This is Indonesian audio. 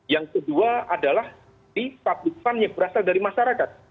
yang kedua adalah di public fund yang berasal dari masyarakat